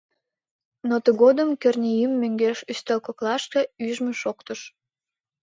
Но тыгодым Кӧрнеим мӧҥгеш ӱстел коклашке ӱжмӧ шоктыш.